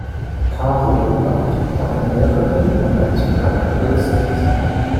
Caro war die Tochter einer Lehrerin und eines bekannten Künstlers.